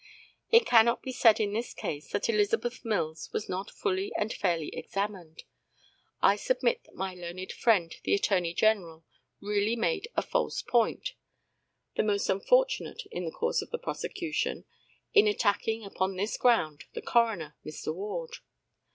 It cannot be said in this case that Elizabeth Mills was not fully and fairly examined. I submit that my learned friend the Attorney General really made a false point the most unfortunate in the course of the prosecution in attacking, upon this ground, the coroner, Mr. Ward.